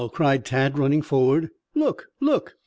cried Tad, running forward. "Look, look!"